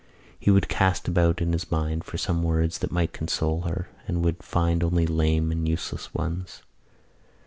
He would cast about in his mind for some words that might console her, and would find only lame and useless ones.